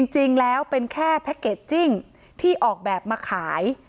จริงแล้วเป็นแค่แพ็คเกจจิ้งที่ออกแบบมาขาย